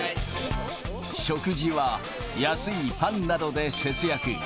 食事は安いパンなどで節約。